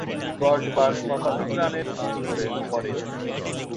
দশবার শতাধিক রানের জুটি গড়েন।